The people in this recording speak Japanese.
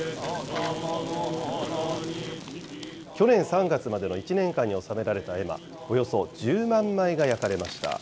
去年３月までの１年間に納められた絵馬、およそ１０万枚が焼かれました。